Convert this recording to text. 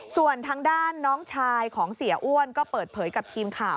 ส่วนทางด้านน้องชายของเสียอ้วนก็เปิดเผยกับทีมข่าว